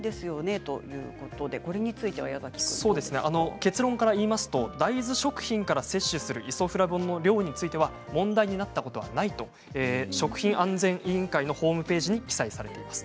結論から言いますと大豆食品から摂取するイソフラボンの量に関しては問題になったことはないと食品安全委員会のホームページに記載されています。